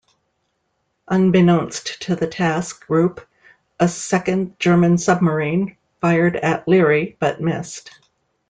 Unbeknownst to the task group, a second German submarine, fired at "Leary" but missed.